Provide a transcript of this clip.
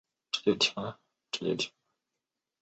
该物种的模式产地在浙江。